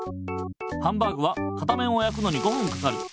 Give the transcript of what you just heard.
ハンバーグは片面をやくのに５ふんかかる。